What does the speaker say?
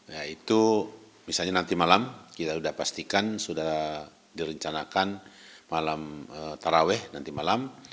yaitu misalnya nanti malam kita sudah pastikan sudah direncanakan malam taraweh nanti malam